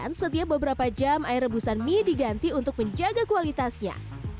dan setiap beberapa jam air rebusan mie diganti untuk menjaga kualitasnya